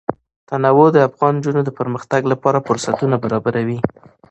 تنوع د افغان نجونو د پرمختګ لپاره فرصتونه برابروي.